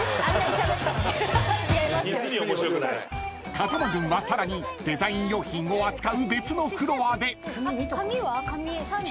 ［風間軍はさらにデザイン用品を扱う別のフロアで］